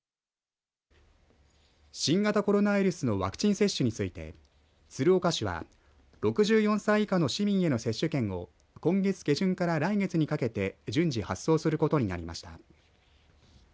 新型コロナウイルスのワクチン接種について鶴岡市は、６４歳以下の市民への接種券を、今月下旬から来月にかけて順次発送することになりました。